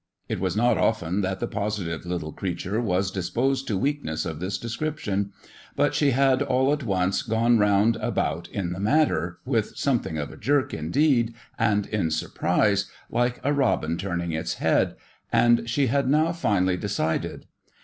It was not often that the positive little creature was disposed to weakness of this description ; but she had all at once gone round about in the mat ter with something of a jerk, indeed, and in surprise, like a robin turning its head and she had now firily decided.